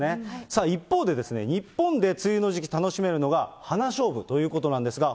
さあ、一方で、日本で梅雨の時期、楽しめるのが、花しょうぶということなんですが。